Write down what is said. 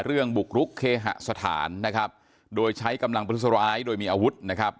เรื่องบุกรุกเคหสถานนะครับโดยใช้กำลังประทุสรร้ายโดยมีอาวุธนะครับ